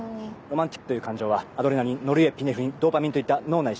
ロマンチックという感情はアドレナリンノルエピネフリンドーパミンといった脳内。